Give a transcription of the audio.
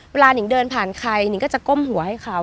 หนิงเดินผ่านใครนิงก็จะก้มหัวให้เขา